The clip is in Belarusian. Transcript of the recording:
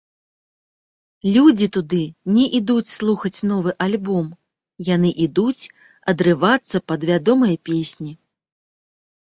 Людзі туды не ідуць слухаць новы альбом, яны ідуць адрывацца пад вядомыя песні.